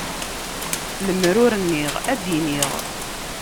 Lemmer ur nniɣ, ad d-iniɣ.